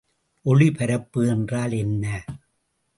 ஒளிபரப்பு என்றால் என்ன?